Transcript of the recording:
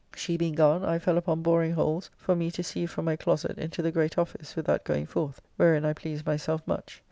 She being gone, I fell upon boring holes for me to see from my closet into the great office, without going forth, wherein I please myself much.